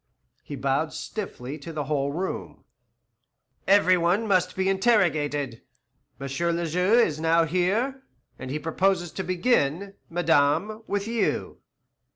He bowed stiffly to the whole room. "Every one must be interrogated. M. le Juge is now here, and he proposes to begin, madame, with you."